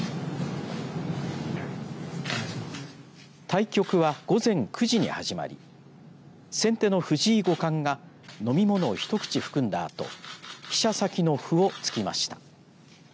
対局は午前９時に始まり先手の藤井五冠が飲み物を一口含んだあと飛車先の歩を突きました。